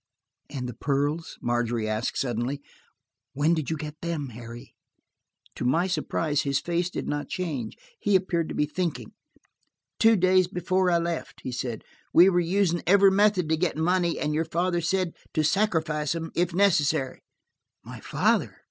"And the pearls?" Margery asked suddenly. "When did you get them, Harry?" To my surprise his face did not change. He appeared to be thinking. "Two days before I left," he said. "We were using every method to get money, and your father said to sacrifice them, if necessary." "My father!"